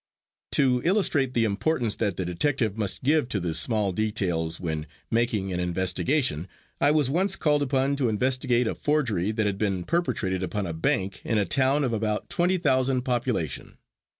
To illustrate the importance that the detective must give to the small details when making an investigation, I was once called upon to investigate a forgery that had been perpetrated upon a bank in a town of about twenty thousand population.